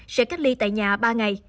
sẽ cách ly tại nhà ba ngày